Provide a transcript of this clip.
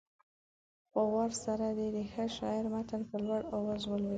په وار سره دې د ښه شاعر متن په لوړ اواز ولولي.